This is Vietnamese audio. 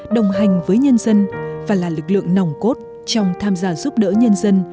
đồng hành với nhân dân và là lực lượng nòng cốt trong tham gia giúp đỡ nhân dân